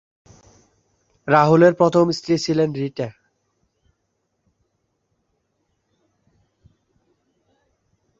রাহুলের প্রথম স্ত্রী ছিলেন রিটা।